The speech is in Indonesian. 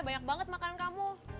banyak banget makanan kamu